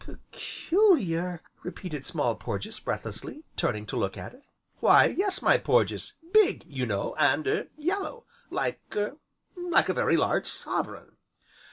"Peculiar?" repeated Small Porges breathlessly, turning to look at it. "Why, yes, my Porges, big, you know, and er yellow, like er like a very large sovereign."